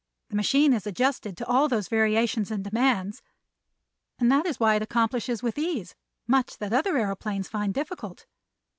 The machine is adjusted to all those variations and demands, and that is why it accomplishes with ease much that other aëroplanes find difficult.